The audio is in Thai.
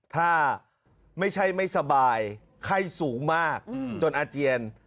ถ้าไม่ใช่ไม่สบายไข้สูงมากจนอาเจียน